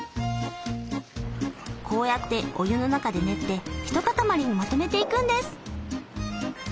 こうやってお湯の中で練って一塊にまとめていくんです。